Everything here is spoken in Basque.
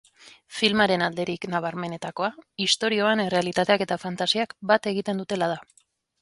Filmaren alderik nabarmenenetakoa istorioan errealitateak eta fantasiak bat egiten dutela da.